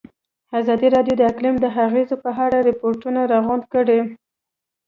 ازادي راډیو د اقلیم د اغېزو په اړه ریپوټونه راغونډ کړي.